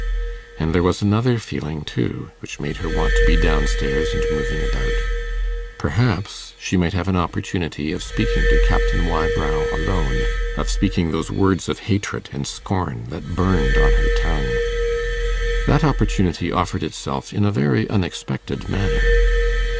And there was another feeling, too, which made her want to be down stairs and moving about. Perhaps she might have an opportunity of speaking to Captain Wybrow alone of speaking those words of hatred and scorn that burned on her tongue. That opportunity offered itself in a very unexpected manner.